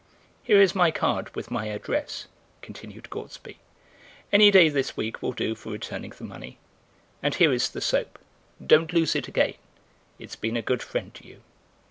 "Here is my card with my address," continued Gortsby; "any day this week will do for returning the money, and here is the soap—don't lose it again it's been a good friend to you."